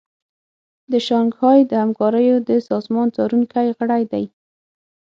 د شانګهای د همکاریو د سازمان څارونکی غړی دی